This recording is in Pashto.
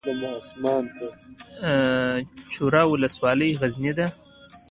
چوره ولسوالۍ غرنۍ ده؟